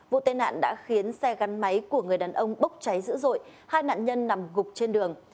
vụ tai nạn đã khiến xe gắn máy của người đàn ông bốc cháy dữ dội hai nạn nhân nằm gục trên đường